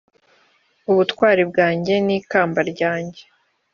ubutwari bwanjye ni ikamba ryanjye,